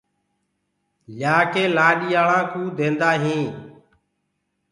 ليآ ڪي لآڏيآݪآنٚ ڪوٚ ديندآ هينٚ۔